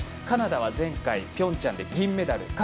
カナダは前回ピョンチャンで銀メダル。